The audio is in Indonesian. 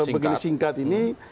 begini singkat ini